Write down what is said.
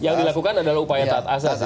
yang dilakukan adalah upaya taat azas sebenarnya